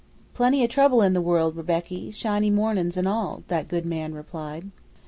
"Plenty o' trouble in the world, Rebecky, shiny mornin's an' all," that good man replied.